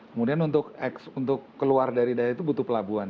kemudian untuk keluar dari daerah itu butuh pelabuhan